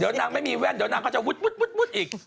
เดี๋ยวนางไม่มีแว่นเดี๋ยวนางก็จะวุดอีก